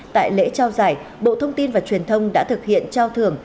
tại lễ trao giải bộ thông tin và truyền thông đã thực hiện trao thưởng